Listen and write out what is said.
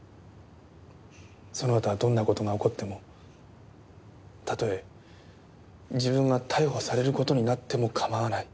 そのあとはどんな事が起こってもたとえ自分が逮捕される事になっても構わない。